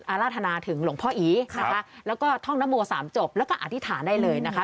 อาราธนาถึงหลวงพ่ออีนะคะแล้วก็ท่องนโมสามจบแล้วก็อธิษฐานได้เลยนะคะ